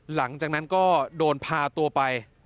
หลังจากนั้นก็โดนพาตัวไป